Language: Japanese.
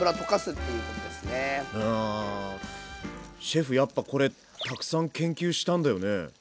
シェフやっぱこれたくさん研究したんだよね？